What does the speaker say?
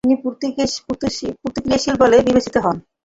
তিনি প্রতিক্রিয়াশীল বলে বিবেচিত হন।